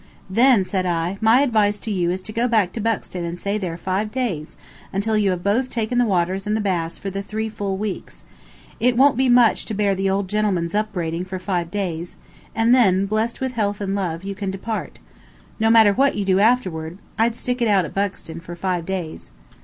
"Then," said I, "my advice to you is to go back to Buxton and stay there five days, until you both have taken the waters and the baths for the full three weeks. It won't be much to bear the old gentleman's upbraiding for five days, and then, blessed with health and love, you can depart. No matter what you do afterward, I'd stick it out at Buxton for five days."